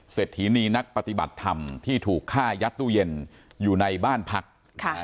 ถีนีนักปฏิบัติธรรมที่ถูกฆ่ายัดตู้เย็นอยู่ในบ้านพัก